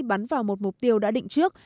bắn vào một mục tiêu đã định trước